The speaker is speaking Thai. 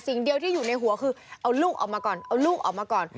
สิ่งเดียวที่อยู่ในหัวคือเอาลูกออกมาก่อนเอาลูกออกมาก่อน